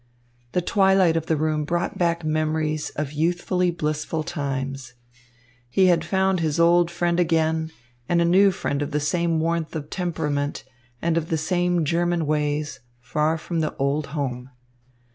The twilight of the room brought back memories of youthfully blissful times. He had found his old friend again and a new friend of the same warmth of temperament and of the same German ways, far from the old home.